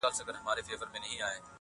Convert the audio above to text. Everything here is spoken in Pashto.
ستا وه څادرته ضروت لرمه.